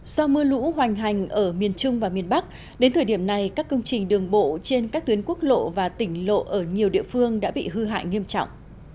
do mưa lũ hoành hành ở miền trung và miền bắc đến thời điểm này các công trình đường bộ trên các tuyến quốc lộ và tỉnh lộ ở nhiều địa phương đã bị hư hại nghiêm trọng